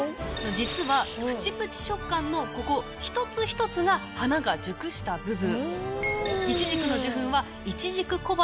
・実はプチプチ食感のここ一つ一つが花が熟した部分。